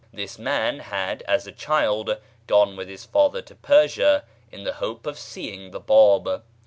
This man had as a child gone with his father to Persia in the hope of seeing the Báb.